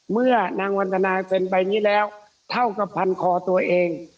เมื่อนางวันธนาเป็นใบนี้แล้วเท่ากับพันคอตัวเอง